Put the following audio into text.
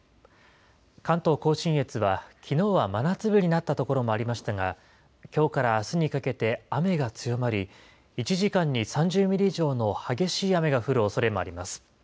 関東甲信越はきのうは真夏日になった所もありましたが、きょうからあすにかけて雨が強まり、１時間に３０ミリ以上の激しい雨が降るおそれもあります。